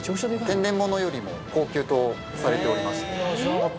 天然ものよりも高級とされておりまして。